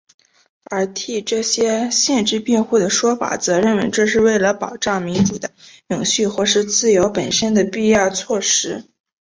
而替这些限制辩护的说法则认为这是为了保障民主的永续或是自由本身的必要措施。